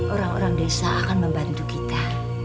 orang orang desa akan membantu kita